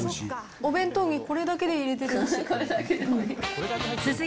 お弁当にこれだけ入れてほしい。